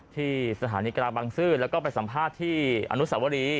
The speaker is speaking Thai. ที่สถานีกลางบังซื้อแล้วก็ไปสัมภาษณ์ที่อนุสาวรี